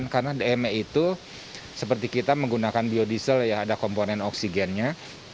karena dme itu seperti kita menggunakan biodiesel ya ada komponen oksigennya